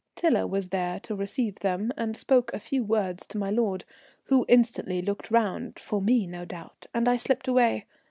Tiler was there to receive them and spoke a few words to my lord, who instantly looked round, for me no doubt, and I slipped away.